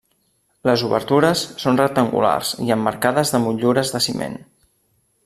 Les obertures són rectangulars i emmarcades de motllures de ciment.